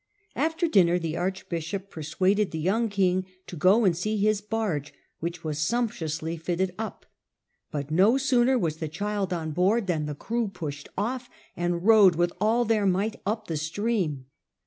After dinner the arch bishop persuaded the young king to go and see his barge, which was sumptuously fitted up ; but no sooner was the child on board than the crew pushed off and rowed with all their might up the stream.